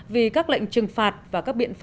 vì các lệnh trừng phạt và các biện pháp